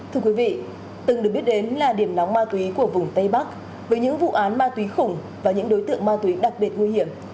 thưa quý vị từng được biết đến là điểm nóng ma túy của vùng tây bắc với những vụ án ma túy khủng và những đối tượng ma túy đặc biệt nguy hiểm